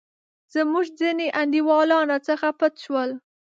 زموږ ځیني انډیوالان راڅخه پټ شول.